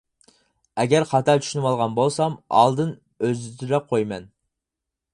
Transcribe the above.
ئەگەر خاتا چۈشىنىۋالغان بولسام، ئالدىن ئۆزرە قويىمەن.